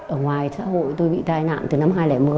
ở ngoài xã hội tôi bị tai nạn từ năm hai nghìn một mươi